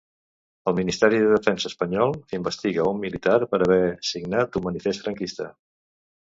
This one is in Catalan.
El Ministeri de Defensa espanyol investiga un militar per haver signat un manifest franquista.